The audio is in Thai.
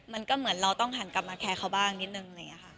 มันก็เหมือนเราต้องหันกลับมาแคร์เขาบ้างนิดหนึ่ง